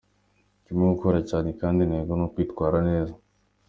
Ndimo gukora cyane kandi intego ni ukwitwara neza.